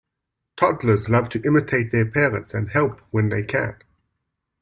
Toddlers love to imitate their parents and help when they can.